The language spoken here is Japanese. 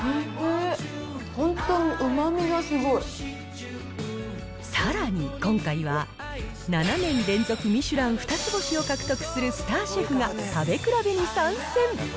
本当、さらに、今回は７年連続ミシュラン二つ星を獲得するスターシェフが、食べ比べに参戦。